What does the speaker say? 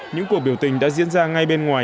những cuộc biểu tình đã diễn ra ngay bên ngoài